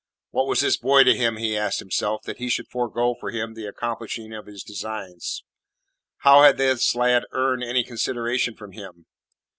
What was this boy to him, he asked himself, that he should forego for him the accomplishing of his designs? How had this lad earned any consideration from him?